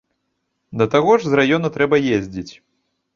Да таго ж з раёна трэба ездзіць.